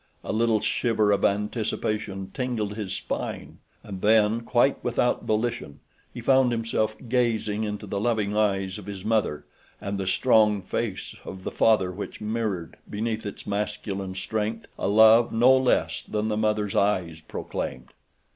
A little shiver of anticipation tingled his spine, and then, quite without volition, he found himself gazing into the loving eyes of his mother and the strong face of the father which mirrored, beneath its masculine strength, a love no less than the mother's eyes proclaimed.